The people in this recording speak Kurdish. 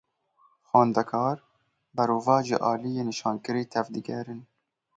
Xwendekar berovajî aliyê nîşankirî, tev digerin.